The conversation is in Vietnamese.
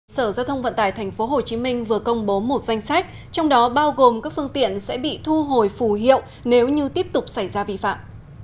sở giao thông vận tải tp hcm vừa công bố một danh sách trong đó bao gồm các phương tiện sẽ bị thu hồi phù hiệu nếu như tiếp tục xảy ra vi phạm